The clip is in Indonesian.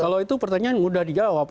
kalau itu pertanyaan mudah dijawab